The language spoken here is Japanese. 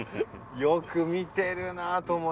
よく見てるな倫也。